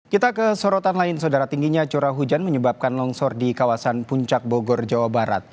kita ke sorotan lain saudara tingginya curah hujan menyebabkan longsor di kawasan puncak bogor jawa barat